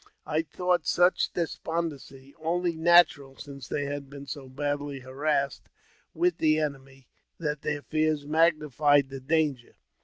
I thought such despondency only natural, since they had been so badly harassed with the enemy that their fears magnified the danger.